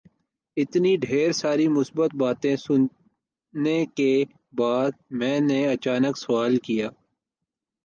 اتنی ڈھیر ساری مثبت باتیں سننے کے بعد میں نے اچانک سوال کیا